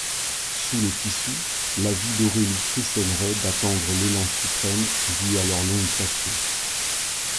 Sous le tissu, la vie d'Aurélie frissonnerait d'attendre l'élan suprême dû à leur longue passion.